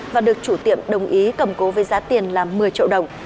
và được chủ tiệm đồng ý cầm cố với giá tiền là một mươi triệu đồng